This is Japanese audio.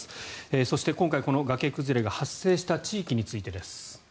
そして今回、この崖崩れが発生した地域についてです。